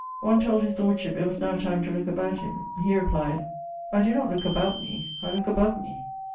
One told his Lordship it was now time to looke about him. He replyed, 'I doe not looke about me, I looke above me.'